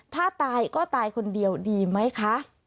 ถ้าตายก็ตายคนเดียวดีไหมคะ